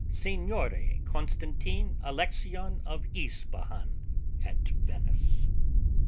Signore Constantine Alexion of Ispahan, at Venice.